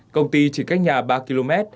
công ty chỉ cách nhà ba km